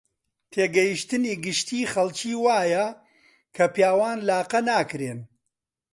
تێگەیشتنی گشتیی خەڵکی وایە کە پیاوان لاقە ناکرێن